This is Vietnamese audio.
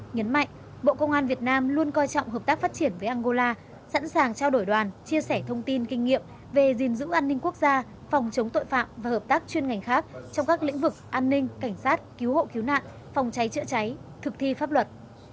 nhấn mạnh bộ công an việt nam luôn coi trọng hợp tác phát triển với angola sẵn sàng trao đổi đoàn chia sẻ thông tin kinh nghiệm về gìn giữ an ninh quốc gia phòng chống tội phạm và hợp tác chuyên ngành khác trong các lĩnh vực an ninh cảnh sát cứu hộ cứu nạn phòng cháy chữa cháy thực thi pháp luật